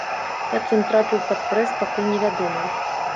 Як ён трапіў пад прэс, пакуль невядома.